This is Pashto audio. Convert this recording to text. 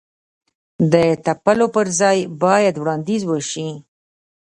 د تپلو پر ځای باید وړاندیز وشي.